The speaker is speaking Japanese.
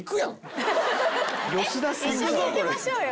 一緒に行きましょうよ。